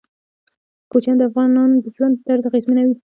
کوچیان د افغانانو د ژوند طرز اغېزمنوي.